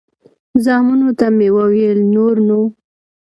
زامنو ته مې وویل نور نو.